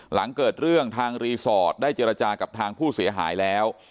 หลังเกิดเรื่องทางรีสอร์ทได้เจรจากับทางผู้เสียหายแล้ว